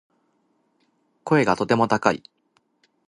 声がとても高い